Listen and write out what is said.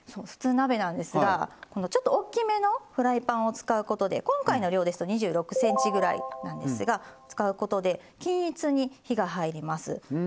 普通、鍋なんですがちょっと大きめのフライパンを使うことで今回の量ですと２６ｃｍぐらいなんですが使うことで均一に火が入ります。